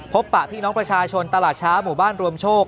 ปะพี่น้องประชาชนตลาดช้าหมู่บ้านรวมโชค